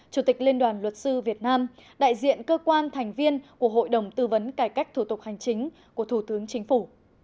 chủ tịch liên đoàn luật sư việt nam đại diện cơ quan thành viên của hội đồng tư vấn cải cách thủ tục hành chính của thủ tướng chính phủ